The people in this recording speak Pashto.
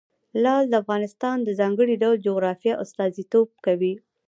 لعل د افغانستان د ځانګړي ډول جغرافیه استازیتوب کوي.